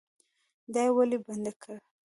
دا یې ولې بندي کړي؟